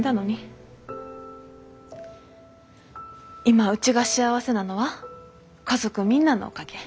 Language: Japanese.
今うちが幸せなのは家族みんなのおかげ。